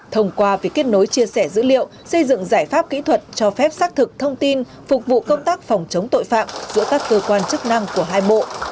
thông qua việc kết nối chia sẻ dữ liệu xây dựng giải pháp kỹ thuật cho phép xác thực thông tin phục vụ công tác phòng chống tội phạm giữa các cơ quan chức năng của hai bộ